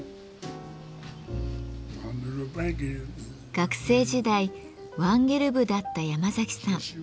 学生時代ワンゲル部だった山崎さん。